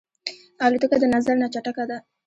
الوتکه د نظر نه چټکه ده.